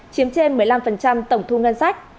chiếm trên một mươi năm tổng thu ngân sách